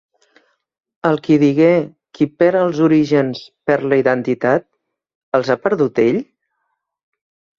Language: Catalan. El qui digué: "Qui perd els orígens perd la identitat", els ha perdut ell?